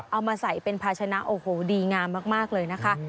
เอามาใส่เป็นภาชนะโอ้โหดีงามมากเลยนะคะ